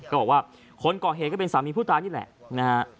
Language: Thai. บอกว่าคนก่อเหตุก็เป็นสามีผู้ตายนี่แหละนะฮะ